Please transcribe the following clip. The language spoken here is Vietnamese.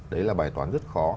đấy là bài toán rất khó